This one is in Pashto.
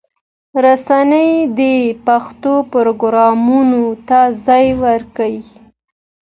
رسنۍ دې پښتو پروګرامونو ته ځای ورکړي.